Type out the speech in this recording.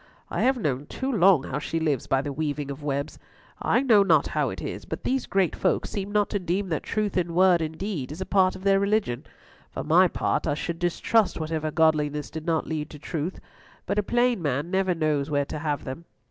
I have known too long how she lives by the weaving of webs. I know not how it is, but these great folks seem not to deem that truth in word and deed is a part of their religion. For my part, I should distrust whatever godliness did not lead to truth, but a plain man never knows where to have them.